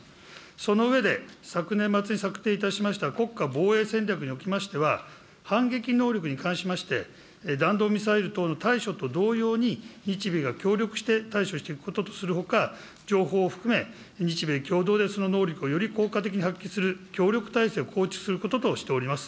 その上で、昨年末に策定いたしました、国家防衛戦略におきましては、反撃能力に関しまして、弾道ミサイル等の対処と同様に、日米が協力して対処していくこととするほか、情報を含め、日米共同でその能力をより効果的に発揮する協力体制を構築することとしております。